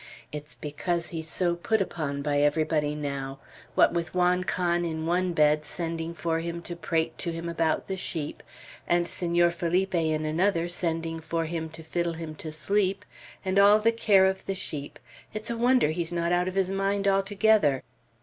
"It's because he is so put upon by everybody now. What with Juan Can in one bed sending for him to prate to him about the sheep, and Senor Felipe in another sending for him to fiddle him to sleep, and all the care of the sheep, it's a wonder he's not out of his mind altogether.